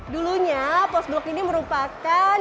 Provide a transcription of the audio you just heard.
dulunya post blok ini merupakan